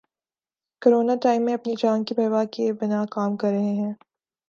Corona time میں اپنی جان کی پرواہ کیے بنا کام کر رہے ہیں۔